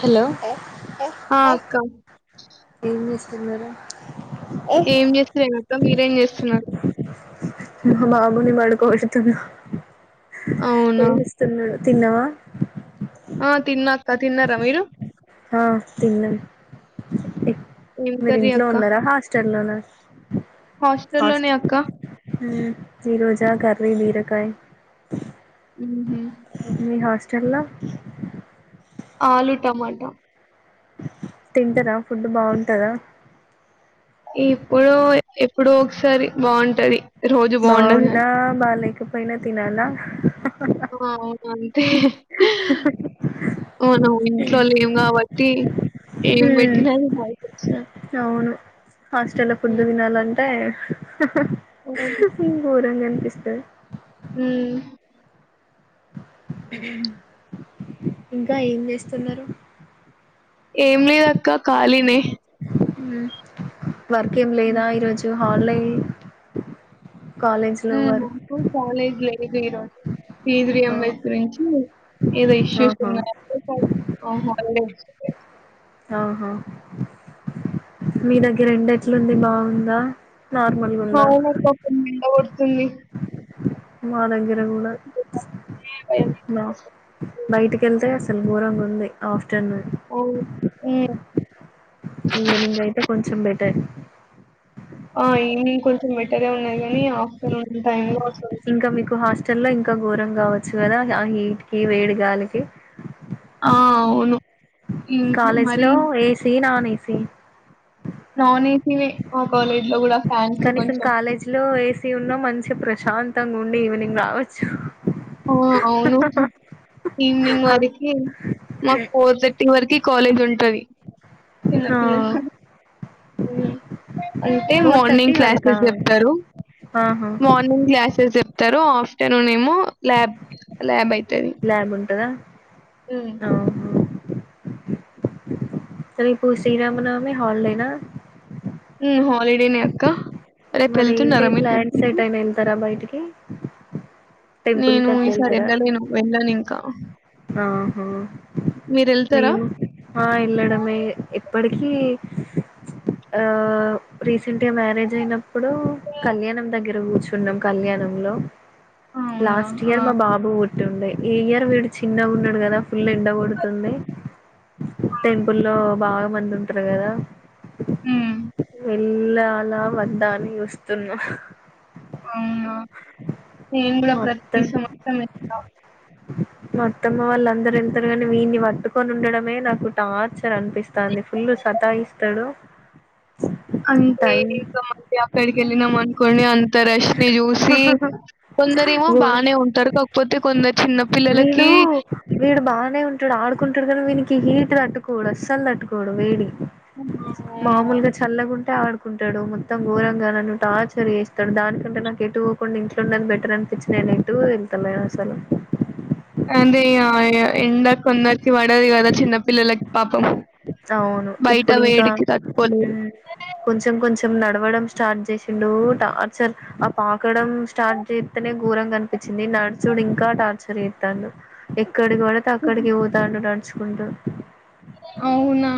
Hello ఆ అక్క తిన్నర ఏం చేస్తలేనక్క మీరేం చేస్తున్నారు మా బాబుని పడుకోబెడుతున్నా అవునా! ఏడుస్తున్నడు తిన్నవా క తిన్నారా మీరు ఆ తిన్నం ఎక్ ఏం మీరు కర్రీ ఇంట్లో ఉన్నారా హాస్టల్ లోన హాస్టల్లోనే అక్క ఈ రోజా కర్రీ బీరకాయ్ మ్ హు చెల్ల ఆలు టమాటా తింటర ఫుడ్ బాగుంటదా ఇప్పుడో ఎప్పుడో ఒకసారి బాగుంటది బాగున్నా బాలేకపోయినా తినాలా అవును అంతే మనం ఇంట్లో లేం కాబట్టి ఏం పెట్టిన తినాల్సొస్తది అవును హాస్టల్లో ఫుడ్ తినాలంటే గోరంగ పిస్తది మ్ ఇంకా ఏం చేస్తున్నరు ఏం లేదక్క ఖాలినే మ్ వర్క్ ఏం హ్మ్. లేదా ఈరోజు హాల్లే మ్ నాకు కాలేజ్ లేదు ఈరోజు ఫీస్ ఆ రియింబుర్సు్మెంట్ ఏదో ఇష్యూస్ ఆహా ఉన్నయంటే అహ హాలిడే ఇచ్చిర్ ఆహా మీ దగ్గర ఎండ ఎట్లుంది బాగుందా నార్మల్గా ఉందా అవునక్క ఫుల్ ఎండకొడుతుంది మా దగ్గర కూడా భయం బ వేస్తుంది. బయటికెల్తే అస్ అసలు ఘోరంగుంది ఆ ఓ మ్ ఈవినింగ్ అయితే కొంచెం బెటర్ ఆ ఈవినింగ్ కొంచెం బెటర్ ఉన్నాయి కని ఆఫ్టర్నూన్ టైంలో అసలు కిచెన్ లో ఇంకా ఘోరం కావచ్చు కదా ఆ హీట్ కి వేడిగాలికి ను కాలేజ్ లో ఏసి నాన్ ఏసి నాన్ ఏసీనే మా కాలేజ్‌లో గూడా ఫ్యాన్స్ కనీసం కొంచెం కాలేజీ లో ఏసీ ఉన్నా మం ప్రశాంతంగా ఉండి ఈవినింగ్ రావచ్చు ఆ అవునవును ఈవినింగ్ వరకి మాకు ఫోర్ థర్టీ వరకి కాలేజ్ ఉంటది ఆ ఉమ్ అంటే ఫోర్ థర్టీ మార్నింగ్ వరకా క్లాసెస్ చెప్తారు ఆహా మార్ణింగ్ క్లాసెస్ చెప్తరు ఆఫ్టర్నూన్ ఏమో ల్యాబ్ ల్యాబ్ అయితది అయితద ఊమ్ రేపు శ్రీరామనవమి హాలిడే నా ఉ హాలిడేనే అక్క రేపు మరి ఏంటి వెళ్తున్నారా మీరు ప్లాంన్స్ టెంపుల్ కి ఎటైనా వెళ్తారా బయటికి టెంపుల్ నేను కి అట్లా ఈసారి వెళ్తారా వెళ్ళలేను వెళ్ళను ఇంకా ఆహా మీరు వెళ్తారా మేము మహా వెళ్లడమే ఏ ఇప్పటికీ ఆ రీసెంట్ గా మ్యారేజ్ అయిన ఏప్పుడు కళ్యాణం దగ్గర కూర్చున్నం కళ్యాణంలో అవునా లాస్ట్ ఆ ఇయర్ మా బాబు పుట్టిండే ఈ ఇయర్ వీడు చిన్నగున్నడు కదా ఫుల్ ఎండ కొడుతుంది టెంపుల్లో బాగా మంది ఉంటరు కదా హమ్ వెళ్లాలా వద్ధా అని చూస్తున్నా అవునా నేను కూడా ప్రతి మొత్తం సంవత్సరం వెళ్తాం మా అత్తమ్మ వాళ్ళందరూ వెళ్తారు కానీ వీన్నీ పట్టుకొని ఉండడమే నాకు టార్చ అనిపిస్తంది ఫుల్ సతాయిస్తడు అంతే ఇగా మళ్ళీ ఆక్కడికిళ్లినమన్కోండీ అం అంత రష్ ని చూసి కొందరేమో గో బానే ఉంటరు కాకపోతే కొందరు చిన్న పిల్లలకీ హు వీడు బాగానే ఉంటడు ఆడుకుంటడు కానీ వీ హీట్ తట్టుకోడు అస్సలు తట్టుకోడు వేడి అవునా మామూలుగా చల్లగుంటే ఆడు కుంటాడు మొత్తం ఘోరంగా నన్ను టార్చర్ చేసి దానికంటే నాకు ఎటు పోకుండా ఇంట్లో ఉన్నది బెటర్ అనిపించి నేను ఎటు వెళ్తలేను అసలు అదే ఇగ ఎండ కొందరికి పడదు కదా చిన్న పిల్లలకి పాపం అవును బయట ఇప్పుడింకా వేడికి తట్టుకోలేరు ఉమ్ కొంచెం కొంచెం నడవడం స్టార్ట్ చేసిండూ టార్చర్ ఆ పాకడం స్టార్ట్ చేస్తనే గోరంగా అనిపి చ్చింది నడుచుడు ఇంకా టార్చర్ చేస్తాండు ఎక్కడికివడితే అక్కడికి పోతాండు నడుచుకుంటూ అవునా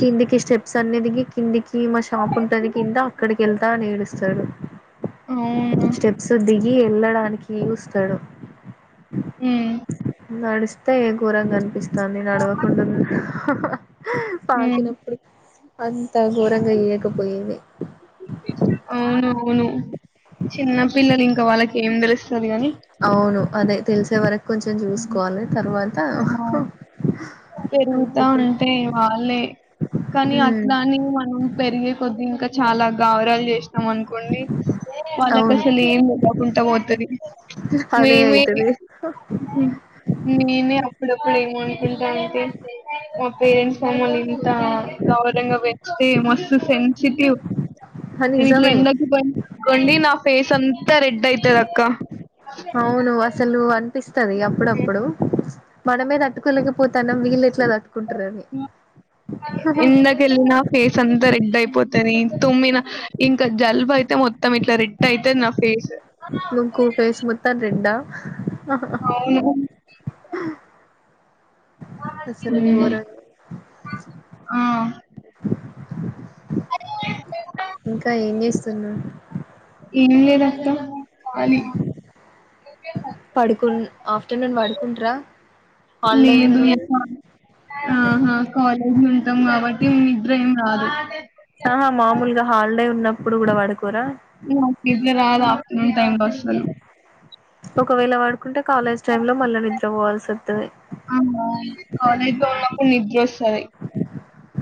కిందికి స్టేప్ సన్నిదికి కిందికి మా షాప్ ఉంటది కింద అక్కడికి వెళ్తా అని ఏడుస్తాడు అవును కి వెళ్ళడానికి చూస్తాడు ఉమ్ నడిస్తే ఘోరంగానిపిస్తాంది నడవకుండా హ్ ఉమ్ పాకిినప్పుడు పస్ అంత గోరంగా చేయకపోయేది చిన్నపిల్లలు ఇంకా వాళ్ళకి ఏం తెలుస్తది గాని అవును అదే తెలిసే వరకు కొంచెం చూసుకోవాలి తర్వాత ఆ పెరుగుతా అయిపోతది ఉంటే వాళ్ళే కానీ ఉమ్ అట్లాని మనం పెరిగే కొద్ది ఇంకా చాలా గాఉరాలు చేసినం అనుకోండి వాళ్నకు అవును అసలు ఏం లేలువకుండా పోతది అదే అయితది మ్ నేనే ఏప్పుడు ఎం అనుకుంటా అంటే మా పేరెంట్స్ మమ్మల్ని ఇంత గౌరవంగా పెంచితే మస్తు సెన్సిటివ్ ఆ! గిట్ల నిజమే ఎండకు బయటికి పోయినా అనుకోండి నా ఫేస్ అంత రెడ్ అయితది అక్క అవును అసలు అనిపిస్తది అప్పుడప్పుడు మనమే తట్టుకోలేక పోతున్నాం వీల్ ఎట్లాతట్ వి ఇందక వెళ్ళిన ఫేస్ అంతా రెడ్ అయిపోతది తుమ్మిన ఇంకా జలుబు అయితే మొత్ మొత్తం ఇట్లా రెడ్ అయితది నా ఫేస్ నుకు ఫేస్ మొత్తం రెడ్డా అవును అసలు ఉమ్మ్ ఘోరంగా ఆ ఇంకా ఏం చేస్తున్నావ్ ఏం లేదు అక్క ఖాళీ పడుకున్ ఆఫ్టర్నూన్ పడుకుంట్రా హాలిడే ఉన్న లేదు రోజు అక్క ఆహా కాలేజీ ఉంటాం కాబట్టి నిద్ర ఏం రాదు ఆహా మామూలుగా హాలిడే ఉన్నప్పుడు కూడా పడుకోరా నిద్ర రాదు ఆఫ్టర్నూన్ టైమ్ లొ అస్సలు ఒకవేళ వాడుకుంటే కాలేజ్ టైమ్ లో మళ్ళా నిద్ర పోవాల్సి వ అ కాలేజీలో ఉన్నపుడు నిద్ర వస్తది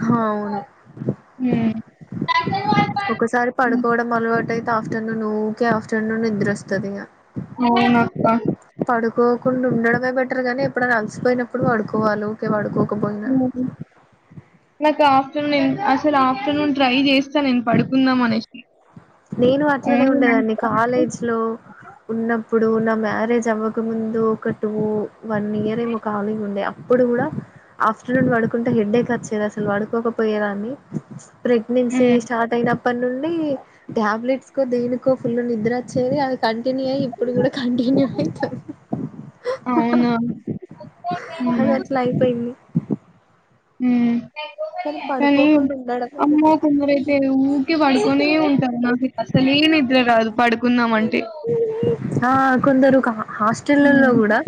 హా అవును హ్మ్. ఒకసారి పడుకోవడం అలవాటు అయితే ఆఫ్టర్నూన్ ఊకే ఆఫ్టర్నూన్ నిద్రొస్తది ఇగా అవును అక్క పోకుండా ఉండడమే బెటర్గాని ఎప్పుడన అలసిపోయినప్పుడు వడుకోవాలి వుకే పడుకో పండుకోకుండా హ్మ్. నాకు ఆఫ్టర్నూన్ అసలు ఆఫ్టర్నూన్ ట్రై చేస్తా నేను పడుకుందాం అనేసి నేను అట్లనే ఓన్లీ నైట్ ఉండేదాన్ని టైమ్‌లో కాలేజ్ లో ఉన్న అప్పుడు నా మ్యారేజ్ అవ్వకముందు ఒక టూ వన్ ఇయరేమో కలిగుండే అప్పుడు కూడా ఆఫ్టర్నూన్ వడుకుంటే హెడ్ ఎక్ వచ్చేది అసలు పడుకోకపోయే దాన్ని ప్రెగ్నెన్సీ హ్మ్. స్టార్ట్ అయినప్పడ్ నుండి టాబ్లెట్స్కో దేనికో ఫుల్ నిద్ర వచ్చేది అది కాన్ ని ఇప్పుడు కూడా కంటిన్యూ అయితాంది అవునా! అది అట్లా అయిపోయింది ఉమ్ కానీ పడుకోకుండా ఉండడం అమ్మో ఒకటే కొందర అయితే ఊకే పడుకొనే ఉంటారు నాకైతే అసలే నిద్ర రాదు పడుకుందామ్ అంటే ఆ కొందరు హాస్టలల్లో హ్మ్. గుడా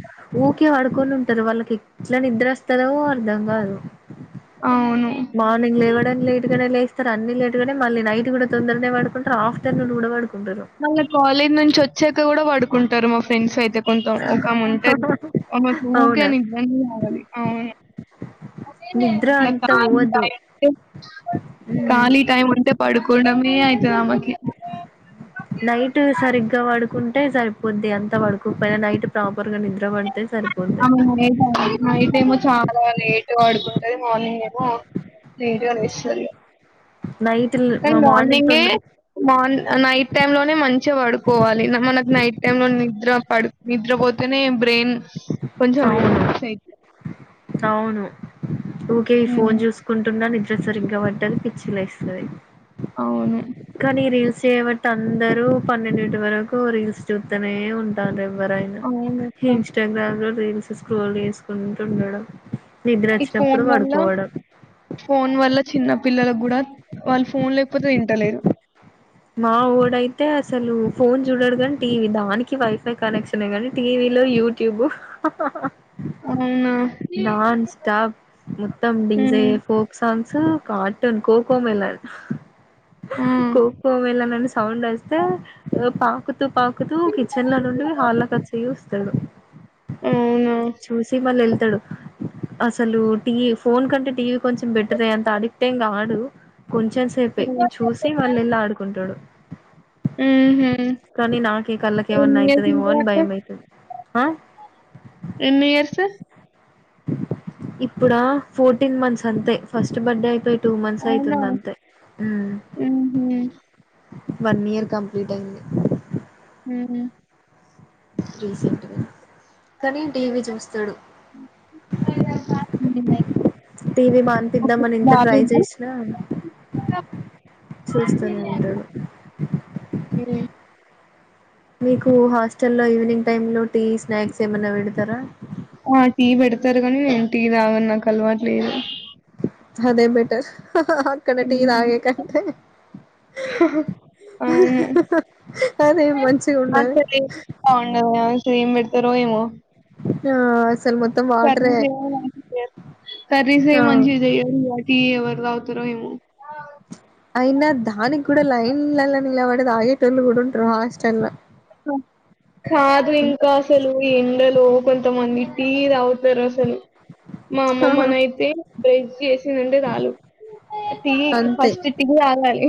ఊకే వడుకొ క్కొని ఉంటారు వాళ్ళకి ఎట్ల నిద్ర వస్తారో అర్ధం కాదు. అవును. మార్నింగ్ లేవడానికి లేట్ గానే లేస్తారు అన్ని లేట్గానే మళ్ళీ నైట్ కూడా తొందరనే పడుకుంటారు. ఆఫ్టర్నూన్ కూడా పడుకు మళ్ళ కాలేజ్ నుంచి ఒచ్చాక గూడా పడుకుంటరు మా ఫ్రెండ్స్ అయితే కొంతం ఒకామె ఉంటది ఆమెకి ఊకే అవునా నిద్రనే గావాలి నిద్ర అంత ఖాళీ పోవద్దు టైముంటే ఉమ్ ఖాళీ టైంముంటే పడుకో నైట్ సరిగ్గా వాడుకున్ టే సరిపోద్ది అంత పడుకొక పోయినా నైట్ ప్రాపర్ గా నిద్ర పడితే సరిపోద్ది అవును నైట్ నైటేమో చాలా లేట్ గా వడుకుంటది. మార్నింగ్ ఎమో లేట్ గా లేస్తదిగ నైట్ కని మార్నింగ్ మార్నింగే తొందర మార్ని నై టైమ్ లోనే మంచిగా పడుకోవాలి. న మనకు నైట్ టైమ్ లో ని నిద్ర పడు నిద్రపోతెనే బ్రెయిన్ కొంచెం అవును రివ సైతా ఉకే ఈ ఫోన్ చూసుకుంటున్న నిద్ర సరిగ్గా పట్టది. పిచ్చి లేస్తది. అవును కానీ రీల్స్ చేయబట్టి అందరూ పన్నెండింటి వరకు రీల్స్ చూత్తానే ఉంటాన్రే ఎవరైనా అవునక్క. ఇన్స్టాగ్రామ్ లో రీల్స్ స్క్రోల్ చేసుకుంటూ ఉండడం. ఈ నిద్రచ్చినప్పుడు ఫోన్ వల్ల పడుకోవడం. ఫోన్ వల్ల చిన్న పిల్లలకు గూడా వాళ్ళు ఫోన్ లేకపోతే తింటలేరు. మా వొడయితే అసలు ఫోన్ చూడడు గని టీవీ దానికి వైఫై కనెక్షనె గని టీవీ లొ యూట్యూబ్ అవునా! నాన్ స్టాప్ మొత్తం డీజే హ్మ్. య్యే ఫోక్ సాంగ్స్ సు కార్టూన్ కోకో మెలర్ ఆ! కో ఒ ఎల్లనన్న సౌండ్ వస్తే పాకు తు పాకుతూ కిచెన్ ల నుండి హాల్ల కొచ్చి చూస్తడు అవునా! చూసి మళ్ళ ఎళ్తడు అసలు టీవ్ ఫోన్ కంటే టీవీ కొంచెం బెటరే అంత అడిక్టెం గాదు కొంచెం సేపే హ్మ్. చూసి మళ్ళేళ్ళి ఆడుకుంటడు హుహు. కానీ నాకే కల్లకేవన్న ఎన్ని ఇయర్స్ అయితదెమో అని భయమైతది అ ఎన్నియర్స్ ఇప్పుడా ఫోర్టీన్ మంత్స్ అంతె ఫస్ట్ బర్త్డే అయిపోయి టూ మంత్స్ అవునా! అయితుంద అంతె హుహు. వన్ ఇయర్ కంప్లీట్ అయింది మ్ హు రీసెంట్ గానే కానీ టీవీ చూస్తడు టీవీ ఓకే. మానిపిద్దామని ఎంత ట్రై బాబేనా? చేశినా చూస్తునే ఉంటడు హ్మ్. మీకు హాస్టల్లో ఈవినింగ్ టైం లో టీ స్నాక్స్ ఏమైనా పెడతరా ఆ! టీ పెడతరూ గనీ టీ తాగను నాకు అలవాటు లేదు. అదే బెటర్ అక్కడ టీ హ్మ్. తాగేకంటే అవును. అదే మంచిగుండది రొ ఎమో ఆ స్ కర్రీస్ ఏమో మంచిగ చేయరు కర్రీస్ ఆ ఏమో మంచిగ చేయరు టీ ఎవరు తాగుతరో ఎమో అయినా దానికి గూడ లైన్లల నిలవడి తాగేటోళ్ళు గుడుంటరు హాస్టల్ ల్ల కాదు ఇంకా అసలు ఎండలో కొంతమంది టీ తాగుతరు అసలు మా అమ్మమ్మనైతే బ్రష్ చె తినిండ చాలు టీ అంతే ఫస్ట్ టీ తాగాలి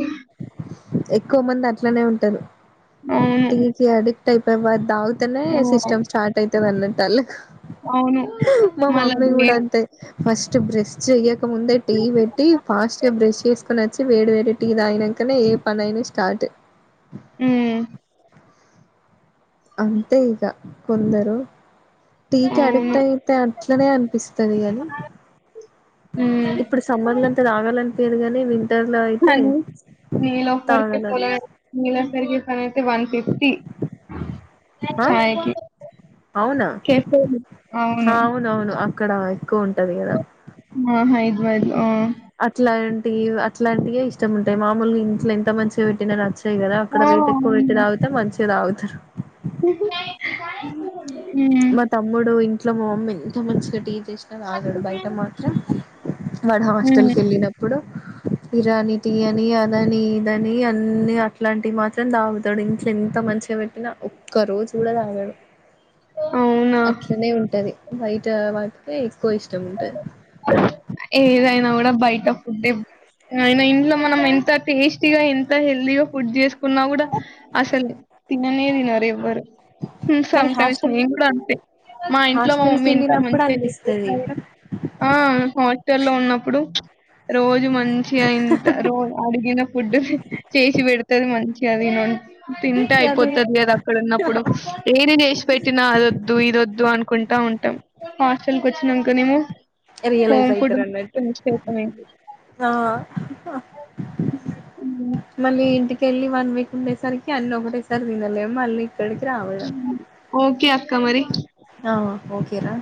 ఎక్కువ మంది అట్లనే ఉంటరు అవును టీ కి అడిక్ట్ అయిపోయి వా దాగు వంతేనే ఆ సిస్టమ్ స్టార్ట్ అయితది అన్నట్టు వాళ్ళకు అవును మా మళ్ళ మమ్మీ కూడా వేడి అంతే ఫస్ట్ బ్రష్ చెయ్యక ముందే టీ పెట్టి ఫాస్ట్ బ్రష్ చేసి నక్కనచ్చి వేడి వేడి టీ దగినంకనే ఏ పనియినా స్టార్ట్ ఆహ్ అంతే ఇక కొందరు టీ అవును కడిక్ట్ అయితే అట్లనే అనిపిస్తుంది తెల్యాలి ఉమ్ ఇప్పుడు సమ్మర్ లో అంత తాగాలనిపియ్యదు కానీ వ్ నీలాఫర్ కేఫే తాగాలనిపిస్తది నీలోఫర్ కి ఫ్యాన్ వన్ ఫిఫ్టీ ఆ చాయ్ కి అవునా కెఫీకి అవును అవునవును అక్కడ ఎక్కువుంటది కదా ఆహా హైదరాబాదులో హ అట్లాంటివే ఇష్టంముంటాయి మామూల్గ ఇంట్లో ఎంత మంచిగా పెట్టిన నచ్చ ఉంటాయి కదా అక్కడ ఆ! రేటేక్కువ పెట్టి అవును. తాగితే మంచిగా తాగుతారు హ్మ్. మా తమ్ముడు ఇంట్లో మా మమ్మీ ఎంత మంచిగా టి చేసిన తాగాడు బయట మాత్రం వాడు హ్మ్. హాస్టల్కేళ్ళినప్పుడు ఇరాని టీ అని అదని ఇదని అన్ని అట్లాంటివి మాత్రం దాగుతడు ఇంట్లే ఎంత మంచిగా వెట్టినా ఒక్క రోజు కూడా తాగడు అవునా! అట్లనే ఉంటది బయట వాటికే ఎక్కువ ఇష్టం ఉంటది ఏదైనా కూడా బయట ఫుడ్డే ఆయిన ఇంట్లో మనం ఎంత టేస్టీగా ఎంత హెల్దీగా ఫుడ్ చేస్కు కున్నా కూడా అసలు తిననే తినరు ఎవ్వరు సమ్ కానీ టైమ్స్ హాస్టల్ మేము కూడా అంతే మా ఇంట్లో మా హాస్టల్కి మమ్మీ ఇంత వెళ్ళినప్పుడు మంచిగా చేసిన అనిపిస్తది కూడా ఆ హాస్టల్లో ఉన్నప్పుడు రోజు మంచి అంత రోజ అడిగిన ఫుడ్ చేసి పెడుతది మంచి మంచిగ అవి వొంది తింటే అది అయిపోతుది కదా అక్కడ ఉన్నప్పుడు ఏది చేసి పెట్టినా అదోద్దు ఇదోద్దు అనుకుంటా ఉంటాం హాస్టల్కవచ్చినకనేమో రియలైస్ అయితరడన్నట్టు ఆ మళ్ళీ ఇంటికెళ్ళి వన్వీక్ ఉండేసరికి అన్ని ఒకటేసరి తినలేము మళ్ళీ ఇక్కడికి రావడం ఓకే అక్క మరి ఓకేరా